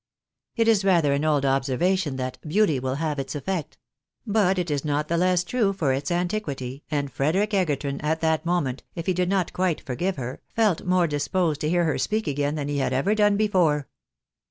It is rather an old observation that " beauty will have its effect," but it is not the less true for its antiquity, and Frederic Egerton at that moment, if he did not quite forgive her, felt more disposed to hear her speak again than he had ever done before.